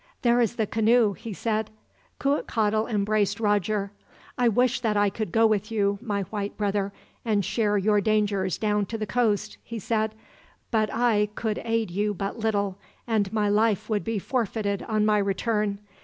"There is the canoe," he said. Cuitcatl embraced Roger. "I wish that I could go with you, my white brother, and share your dangers down to the coast," he said; "but I could aid you but little, and my life would be forfeited on my return.